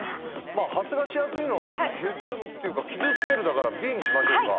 発芽しやすいのは削るっていうか傷つけるだからＢにしましょうか。